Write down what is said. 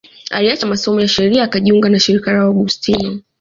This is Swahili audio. Aliacha masomo ya sheria akajiunga na shirika la Waaugustino